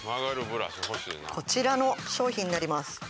こちらの商品になります。